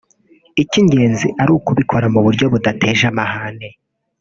icy’ingenzi ari ukubikora mu buryo budateje amahane